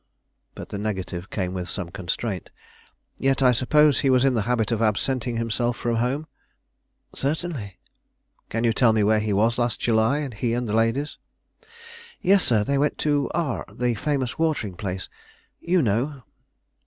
But the negative came with some constraint. "Yet I suppose he was in the habit of absenting himself from home?" "Certainly." "Can you tell me where he was last July, he and the ladies?" "Yes, sir; they went to R . The famous watering place, you know.